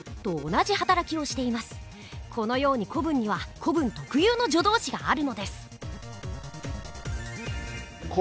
このように古文には古文特有の助動詞があるのです。